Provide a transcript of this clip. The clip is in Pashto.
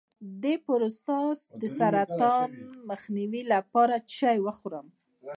د پروستات د سرطان مخنیوي لپاره څه شی وخورم؟